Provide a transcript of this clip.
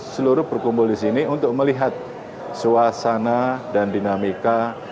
seluruh berkumpul di sini untuk melihat suasana dan dinamika